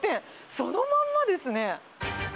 そのまんまですね。